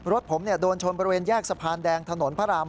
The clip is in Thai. รถผมโดนชนบริเวณแยกสะพานแดงถนนพระราม